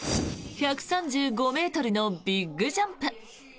１３５ｍのビッグジャンプ。